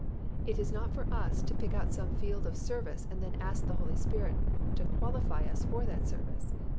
It is not for us to pick out some field of service and then ask the Holy Spirit to qualify us for that service.